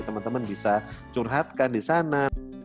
teman teman bisa curhatkan di sana